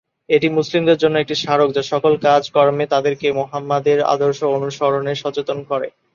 এটি মুসলিমদের জন্য একটি স্মারক যা সকল কাজে-কর্মে তাদেরকে মোহাম্মদের আদর্শ অনুসরণে সচেতন করে।